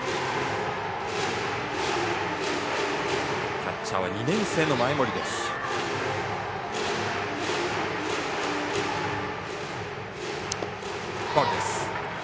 キャッチャーは２年生の前盛です。